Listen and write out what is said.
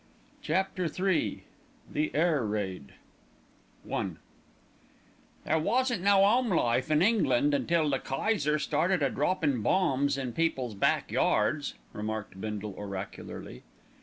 CHAPTER III THE AIR RAID I "There wasn't no 'ome life in England until the Kayser started a droppin' bombs in people's back yards," remarked Bindle oracularly.